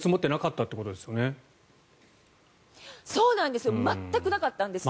そうなんですよ